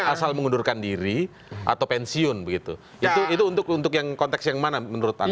asal mengundurkan diri atau pensiun begitu itu untuk yang konteks yang mana menurut anda